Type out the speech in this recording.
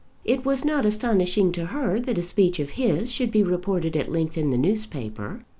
It was not astonishing to her that a speech of his should be reported at length in the newspaper.